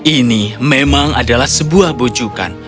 ini memang adalah sebuah bujukan